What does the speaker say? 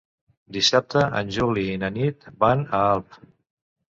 Dissabte en Juli i na Nit van a Alp.